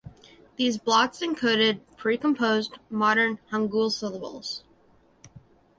These blocks encoded precomposed modern Hangul syllables.